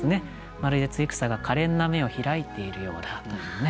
まるで露草がかれんな瞳をひらいているようだというね。